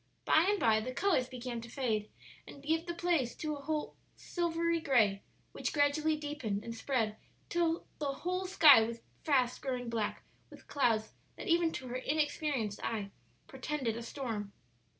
By and by the colors began to fade and give place to a silvery gray, which gradually deepened and spread till the whole sky was fast growing black with clouds that even to her inexperienced eye portended a storm.